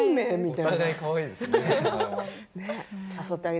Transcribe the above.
お互いかわいいですね。